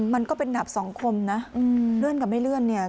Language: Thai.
มันก็เป็นดับสองคมนะเลื่อนกับไม่เลื่อนเนี่ย